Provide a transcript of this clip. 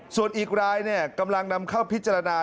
ส่วนอีกรายกำลังนำเข้าพิจารณา